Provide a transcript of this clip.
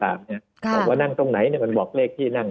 บอกว่านั่งตรงไหนมันบอกเลขที่นั่ง